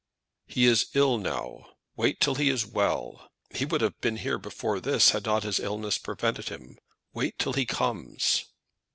"He is ill now. Wait till he is well. He would have been here before this, had not illness prevented him. Wait till he comes."